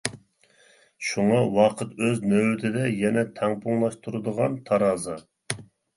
شۇڭا ۋاقىت ئۆز نۆۋىتىدە يەنە تەڭپۇڭلاشتۇرىدىغان تارازا.